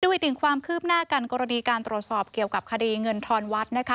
อีกหนึ่งความคืบหน้ากันกรณีการตรวจสอบเกี่ยวกับคดีเงินทอนวัดนะคะ